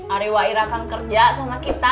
ada wa'ira yang kerja sama kita